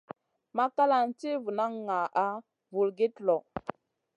Makalan ti vunan ŋaʼa vulgit lõ.